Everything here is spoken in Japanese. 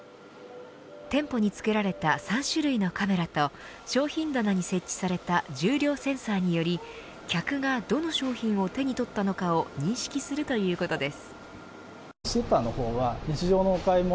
店舗に付けられた３種類のカメラと商品棚に設置された重量センサーにより客がどの商品を手に取ったのかを認識するということです。